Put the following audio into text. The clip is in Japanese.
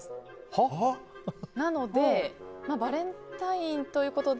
なのでバレンタインということで。